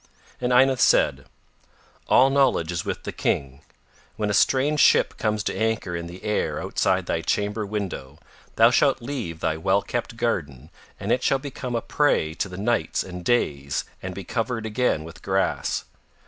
And Ynath said: "All knowledge is with the King. When a strange ship comes to anchor in the air outside thy chamber window, thou shalt leave thy well kept garden and it shall become a prey to the nights and days and be covered again with grass.